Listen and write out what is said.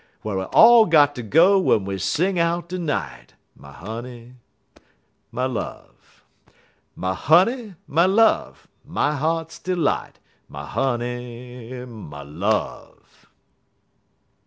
Whar we all got ter go w'en we sing out de night, My honey, my love! My honey, my love, my heart's delight My honey, my love!